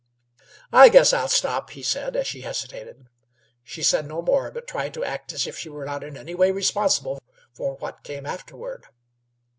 "I guess I'll stop," he said, as she hesitated. She said no more, but tried to act as if she were not in any way responsible for what came afterward.